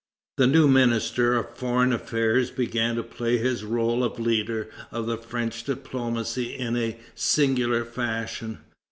The new Minister of Foreign Affairs began to play his rôle of leader of French diplomacy in a singular fashion.